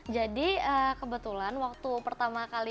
jadi kebetulan waktu pertama kali